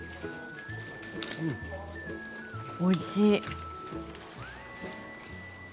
おいしい。